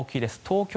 東京